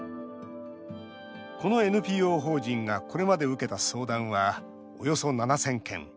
このＮＰＯ法人がこれまで受けた相談は、およそ７０００件。